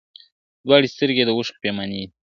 دواړي سترګي یې د اوښکو پیمانې دي `